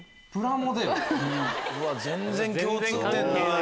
全然共通点ない！